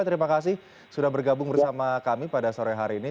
terima kasih sudah bergabung bersama kami pada sore hari ini